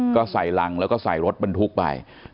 ก็ใส่รังแล้วก็ใส่รถบรรทุกไป